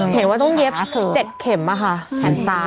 เห็นว่าต้องเย็บ๗เข็มอะค่ะ